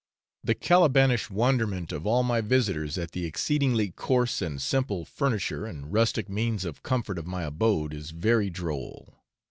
The Calibanish wonderment of all my visitors at the exceedingly coarse and simple furniture and rustic means of comfort of my abode is very droll.